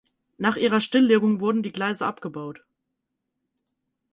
Nach ihrer Stilllegung wurden ihre Gleise abgebaut.